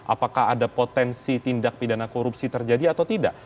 apakah ada potensi tindak pidana korupsi terjadi atau tidak